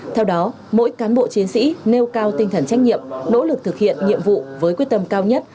theo đó mỗi cán bộ chiến sĩ nêu cao tinh thần trách nhiệm nỗ lực thực hiện nhiệm vụ với quyết tâm cao nhất